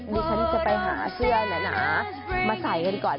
ดิฉันจะไปหาเสื้อหนามาใส่กันก่อน